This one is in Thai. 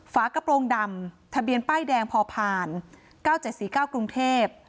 ฝากระโปรงดำทะเบียนป้ายแดงพอผ่าน๙๗๔๙กรุงเทพ